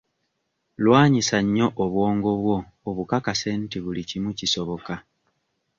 Lwanyisa nnyo obwongo bwo obukakase nti buli kimu kisoboka.